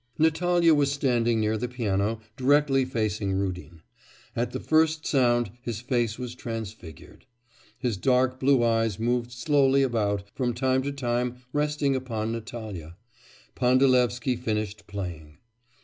Natalya was standing near the piano, directly facing Rudin. At the first sound his face was transfigured. His dark blue eyes moved slowly about, from time to time resting upon Natalya. Pandalevsky finished playing.